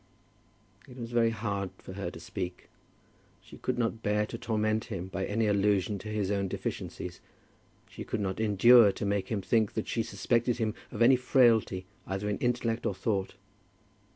It was very hard for her to speak. She could not bear to torment him by any allusion to his own deficiencies. She could not endure to make him think that she suspected him of any frailty either in intellect or thought.